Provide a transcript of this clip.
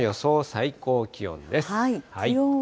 最高気温です。